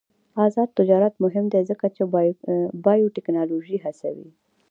آزاد تجارت مهم دی ځکه چې بایوټیکنالوژي هڅوي.